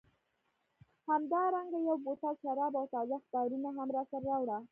همدارنګه یو بوتل شراب او تازه اخبارونه هم راسره راوړه.